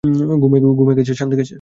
ঘুম গেছে, শান্তি গেছে।